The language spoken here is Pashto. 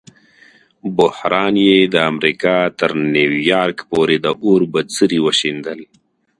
بحران یې د امریکا تر نیویارک پورې د اور بڅري وشیندل.